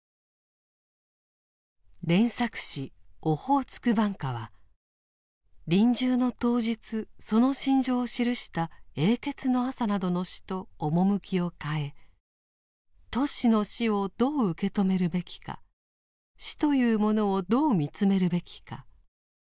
連作詩「オホーツク挽歌」は臨終の当日その心情を記した「永訣の朝」などの詩と趣を変えトシの死をどう受け止めるべきか死というものをどう見つめるべきか。